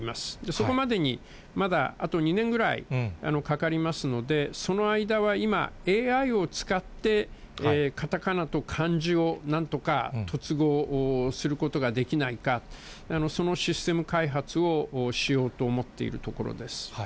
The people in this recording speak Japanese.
そこまでに、まだあと２年ぐらいかかりますので、その間は今、ＡＩを使って、カタカナと漢字をなんとかとつごうすることができないか、そのシステム開発をしようと思っているところです。